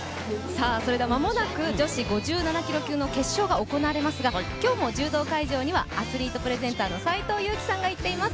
それでは間もなく女子５７キロ級の決勝が行われますが今日も柔道会場にはアスリートプレゼンターの斎藤佑樹さんが行っています。